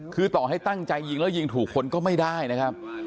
คือต่อให้ตั้งใจยิงแล้วยิงถูกคนก็ไม่ได้นะครับ